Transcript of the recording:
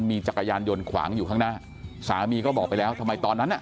มีจักรยานยนต์ขวางอยู่ข้างหน้าสามีก็บอกไปแล้วทำไมตอนนั้นอ่ะ